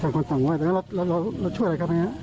ตั้งคนตั้งไหว้แล้วเราช่วยอะไรครับไหม